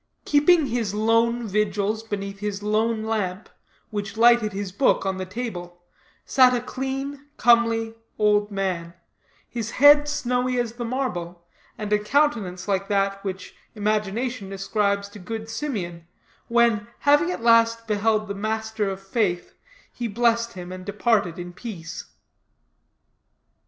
Keeping his lone vigils beneath his lone lamp, which lighted his book on the table, sat a clean, comely, old man, his head snowy as the marble, and a countenance like that which imagination ascribes to good Simeon, when, having at last beheld the Master of Faith, he blessed him and departed in peace.